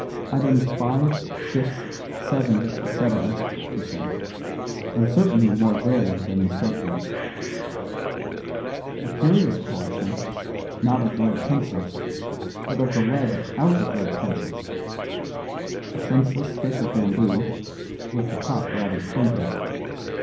"Items five, six, seven, etc.," he said, "and certainly more varied than instructive. A curious collection, not of lead pencils, but of the lead out of lead pencils. A senseless stick of bamboo, with the top rather splintered.